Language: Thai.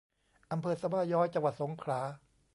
อำเภอสะบ้าย้อย จังหวัดสงขลา